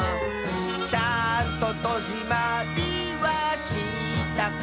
「ちゃんととじまりはしたかな」